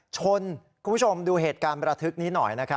คุณผู้ชมดูเหตุการณ์ประทึกนี้หน่อยนะครับ